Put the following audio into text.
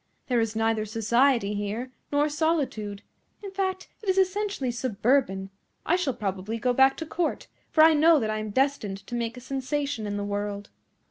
There is neither society here, nor solitude. In fact, it is essentially suburban. I shall probably go back to Court, for I know that I am destined to make a sensation in the world."